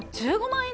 １５万円。